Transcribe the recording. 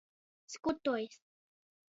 Skutojs.